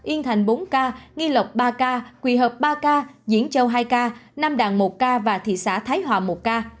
yên thành bốn ca nghi lộc ba ca quỳ hợp ba ca diễn châu hai ca nam đàn một ca và thị xã thái hòa một ca